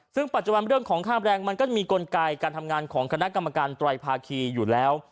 ซึ่งปัจจุบันเรื่องของค่าแรงมันก็จะมีกลไกการทำงานของคณะกรรมการไตรภาคีอยู่แล้ว